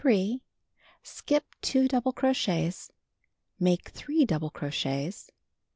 Skip 2 double crochets. Make 3 double crochets.